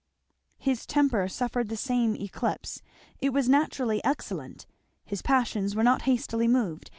His temper suffered the same eclipse. It was naturally excellent. His passions were not hastily moved.